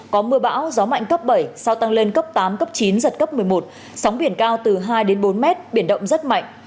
có mưa bão gió mạnh cấp bảy sau tăng lên cấp tám cấp chín giật cấp một mươi một sóng biển cao từ hai đến bốn mét biển động rất mạnh